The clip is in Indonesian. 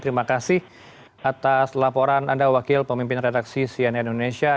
terima kasih atas laporan anda wakil pemimpin redaksi cnn indonesia